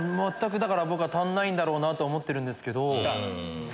僕は足んないんだろうなとは思ってるんですけど。